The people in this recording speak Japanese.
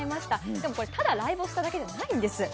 でもこれ、ただライブをしただけではないんです。